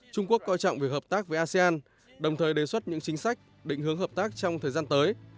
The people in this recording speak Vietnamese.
trung quốc coi trọng việc hợp tác với asean đồng thời đề xuất những chính sách định hướng hợp tác trong thời gian tới